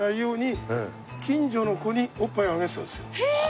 へえ！